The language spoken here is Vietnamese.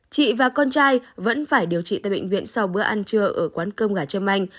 chị và con trai vẫn phải điều trị tại bệnh viện sau bữa ăn trưa ở quán cơm gà trâm anh